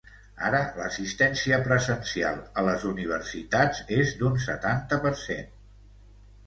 Ara l’assistència presencial a les universitats és d’un setanta per cent.